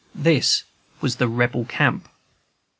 This was the "Rebel camp"!